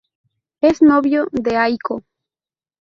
Es novio de Aiko.